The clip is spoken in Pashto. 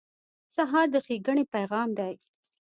سهار د ښېګڼې پیغام دی.